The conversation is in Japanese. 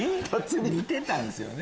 似てたんすよね。